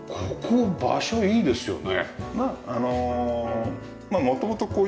実に場所がいいですよね。